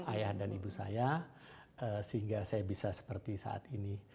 ayah dan ibu saya sehingga saya bisa seperti saat ini